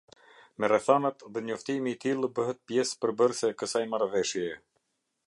Me rrethanat dhe njoftimi i tillë bëhet pjesë përbërëse e kësaj marrëveshjeje.